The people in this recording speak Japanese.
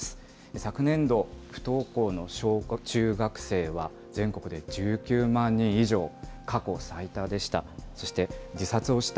昨年度、不登校の小中学生は全国で１９万人以上、過去最多でした。